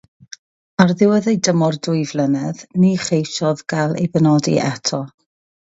Ar ddiwedd ei dymor dwy flynedd, ni cheisiodd gael ei benodi eto.